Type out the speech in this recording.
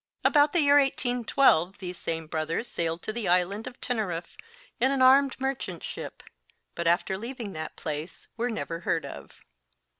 About the year 1812 these same brothers sailed to the island of Teneriffe in an armed merchant ship, but after leaving that place were never heard of.